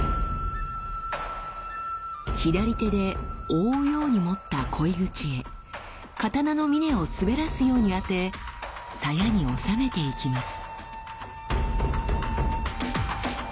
左手で覆うように持った鯉口へ刀の峰を滑らすように当て鞘に納めていきます。